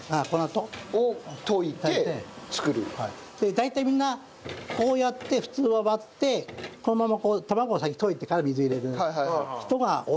大体みんなこうやって普通は割ってこのままこう卵を先に溶いてから水入れる人が多いですね。